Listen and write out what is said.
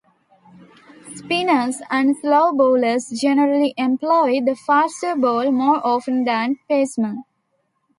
Spinners and slow bowlers generally employ the faster ball more often than pacemen.